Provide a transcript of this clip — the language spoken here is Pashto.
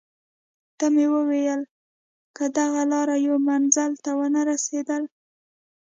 ته مې وویل: که دغه لار یو منزل ته ونه رسېدل.